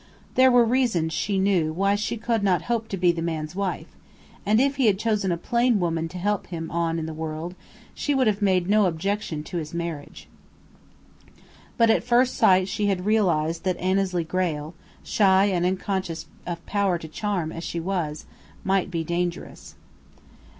There were reasons, she knew, why she could not hope to be the man's wife, and if he had chosen a plain woman to help him on in the world she would have made no objection to his marriage. But at first sight she had realized that Annesley Grayle, shy and unconscious of power to charm as she was, might be dangerous.